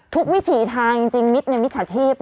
ทุกวิถีทางจริงจริงมิชชาชีพ